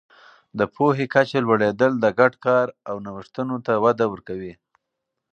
د پوهې کچه لوړېدل د ګډ کار او نوښتونو ته وده ورکوي.